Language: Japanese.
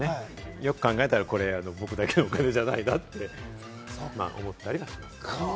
よく考えたらこれ、僕だけのお金じゃないなって思ったりはします。